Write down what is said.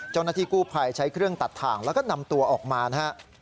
เจ้าหน้าที่กู้ภัยใช้เครื่องตัดถ่างแล้วก็นำตัวออกมานะครับ